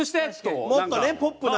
もっとねポップな。